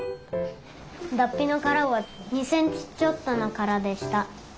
だっぴのからは２センチちょっとのからでした。